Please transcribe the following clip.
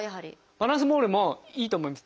バランスボールもいいと思います。